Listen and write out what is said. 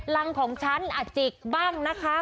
รังของฉันอาจิกบ้างนะคะ